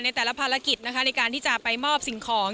แต่ละภารกิจนะคะในการที่จะไปมอบสิ่งของ